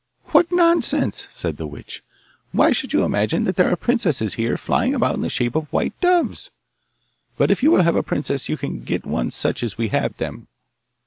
'What nonsense!' said the witch. 'Why should you imagine that there are princesses here flying about in the shape of white doves? But if you will have a princess, you can get one such as we have them.